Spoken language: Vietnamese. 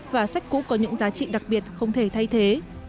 và sách cũ có những giá trị đặc biệt không thể thay thế